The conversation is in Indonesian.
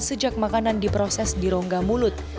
sejak makanan diproses di rongga mulut